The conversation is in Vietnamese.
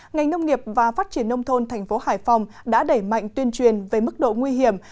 ngành nông nghiệp và phát triển nông thôn thành phố hải phòng đã đẩy mạnh tuyên truyền về mức độ nguy hiểm